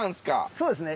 そうですね。